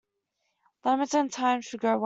Lemons and thyme should go well.